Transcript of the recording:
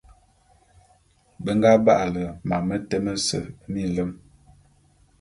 Be nga ba'ale mam mete mese minlem.